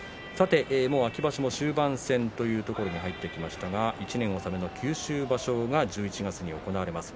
秋場所も終盤戦というところに入ってきましたが１年納めの九州場所が１１月に行われます。